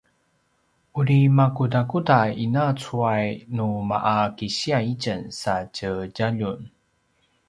uri makudakuda ina cuay nu ma’a kisiya itjen sa tje djaljun?